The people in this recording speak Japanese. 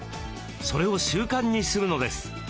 それを習慣にするのです。